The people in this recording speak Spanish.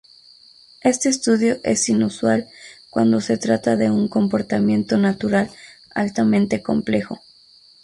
Este estudio es inusual cuando se trata de un comportamiento natural altamente complejo.